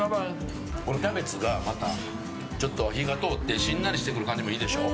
キャベツが火が通ってしんなりしてくる感じもいいでしょ。